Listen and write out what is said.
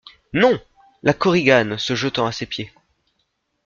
Non ! LA KORIGANE, se jetant à ses pieds.